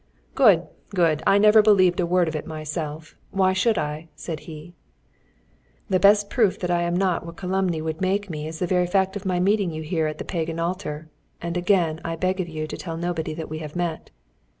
"Good, good! I never believed a word of it myself why should I?" said he. "The best proof that I am not what calumny would make me is the fact of my meeting you here at the Pagan Altar; and again I beg of you to tell nobody that we have met."